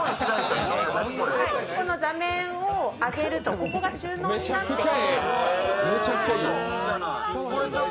この座面を上げるとここが収納になっていて。